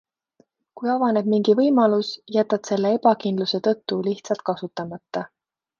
Kui avaneb mingi võimalus, jätad selle ebakindluse tõttu lihtsalt kasutamata.